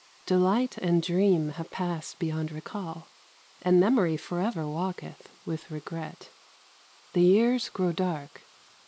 Delight and dream Have passed beyond recall, and Memory Forever walketh with Regret. The years Grow dark.